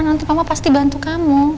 nanti mama pasti bantu kamu